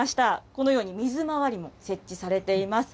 このように、水回りも設置されています。